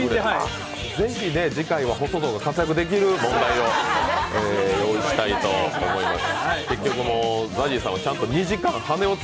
ぜひ次回は細象が活躍できるよう用意したいと思います。